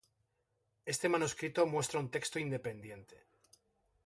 Este manuscrito muestra un texto independiente.